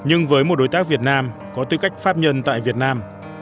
nhưng với một đối tác việt nam có tư cách pháp nhân tại việt nam